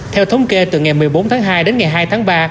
theo thống kê từ ngày một mươi bốn tháng hai đến ngày hai tháng ba